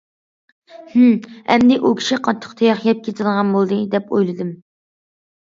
« ھىم، ئەمدى ئۇ كىشى قاتتىق تاياق يەپ كېتىدىغان بولدى» دەپ ئويلىدىم.